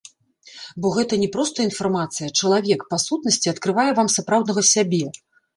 Бо гэта не проста інфармацыя, чалавек, па сутнасці, адкрывае вам сапраўднага сябе.